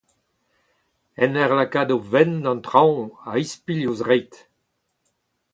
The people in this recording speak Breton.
En ur lakaat o fenn d'an traoñ, a-ispilh o zreid.